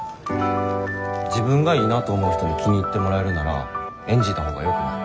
自分がいいなと思う人に気に入ってもらえるなら演じたほうがよくない？